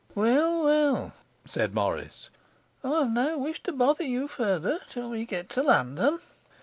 'Well, well,' said Morris. 'I have no wish to bother you further till we get to London.